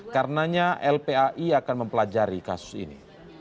karenanya lpai akan mempelajari kasus ini